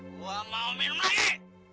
gua mau minum lagi